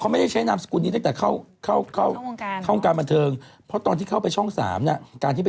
แม่เขาเป็นห้องกงป่ะ